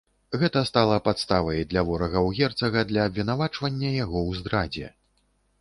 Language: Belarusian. Гэта стала падставай для ворагаў герцага для абвінавачвання яго ў здрадзе.